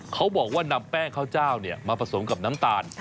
เขาบอกว่านำแป้งข้าวเจ้ามาผสมกับน้ำตาล